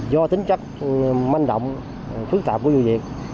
do tính chất manh động phức tạp của vụ việc